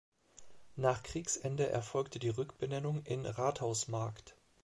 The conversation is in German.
Nach Kriegsende erfolgte die Rückbenennung in Rathausmarkt.